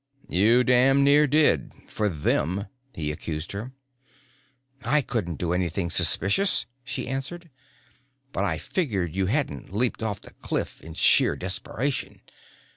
"You damn near did for them," he accused her. "I couldn't do anything suspicious," she answered. "But I figured you hadn't leaped off the cliff in sheer desperation.